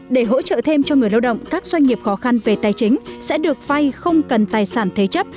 để hỗ trợ thêm cho người lao động các doanh nghiệp khó khăn về tài chính sẽ được vay không cần tài sản thế chấp